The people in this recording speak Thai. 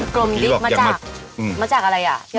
กรมดิ๊กมาจากมาจากอะไรล่ะพี่อ้อย